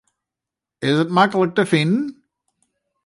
Is it maklik te finen?